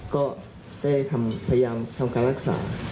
ก็ได้พยายามทำการรักษา